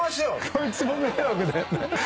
こいつも迷惑だよね。